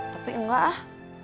tapi engga ah